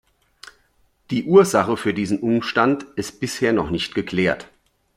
Die Ursache für diesen Umstand ist bisher noch nicht geklärt.